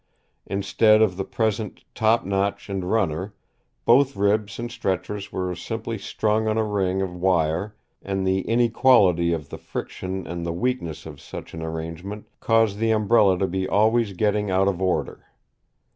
Instead of the present top notch and runner, both ribs and stretchers were simply strung on a ring of wire, and the inequality of the friction and the weakness of such an arrangement cause the Umbrella to be always getting out of order.